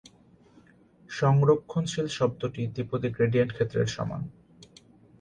সংরক্ষণশীল শব্দটি দ্বিপদী-গ্রেডিয়েন্ট-ক্ষেত্রের সমান।